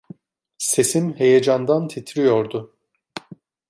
Sesim heyecandan titriyordu.